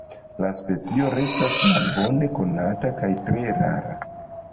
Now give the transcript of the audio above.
La specio restas malbone konata kaj tre rara.